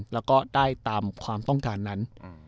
แล้วก็ได้ตามความต้องการนั้น